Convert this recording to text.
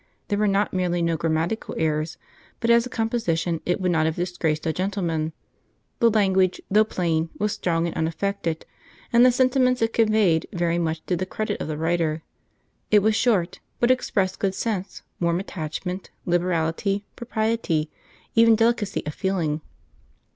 There were not merely no grammatical errors, but as a composition it would not have disgraced a gentleman; the language, though plain, was strong and unaffected, and the sentiments it conveyed very much to the credit of the writer. It was short, but expressed good sense, warm attachment, liberality, propriety, even delicacy of feeling.